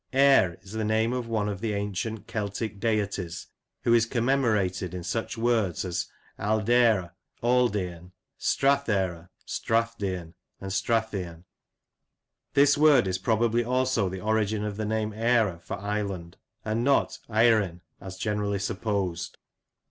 " Eire is the name of one of the ancient Celtic deities, who is commemorated in such words as Ald^ire, (Auldearn,) Strathfire, (Strathdeam and Strathearn). This word is probably also the origin of the name Eire for Ireland ; and not larinn, as generally supposed."